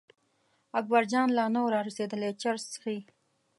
اکبرجان لا نه و را رسېدلی چرس څښي.